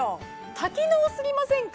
多機能すぎませんか？